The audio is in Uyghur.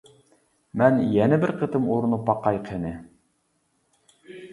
مەن يەنە بىر قېتىم ئۇرۇنۇپ باقاي قېنى.